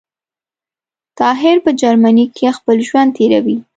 طاهر په جرمنی کي خپل ژوند تیروی